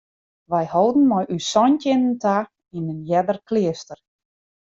Wy holden mei ús santjinnen ta yn in earder kleaster.